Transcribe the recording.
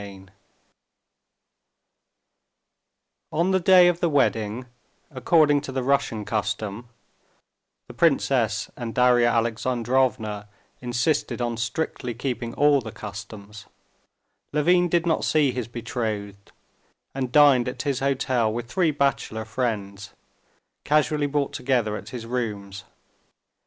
Chapter 2 On the day of the wedding, according to the Russian custom (the princess and Darya Alexandrovna insisted on strictly keeping all the customs), Levin did not see his betrothed, and dined at his hotel with three bachelor friends, casually brought together at his rooms.